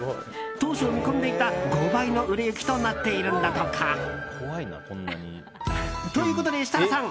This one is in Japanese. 当初見込んでいた５倍の売れ行きとなっているんだとか。ということで設楽さん